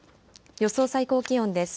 予想最高気温です。